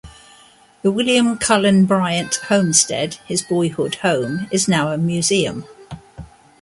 The William Cullen Bryant Homestead, his boyhood home, is now a museum.